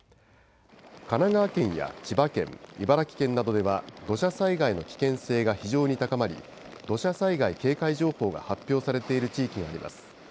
神奈川県や千葉県、茨城県などでは土砂災害の危険性が非常に高まり土砂災害警戒情報が発表されている地域があります。